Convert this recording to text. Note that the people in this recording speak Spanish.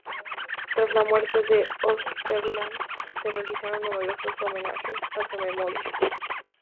Tras la muerte de Oesterheld se realizaron numerosos homenajes a su memoria.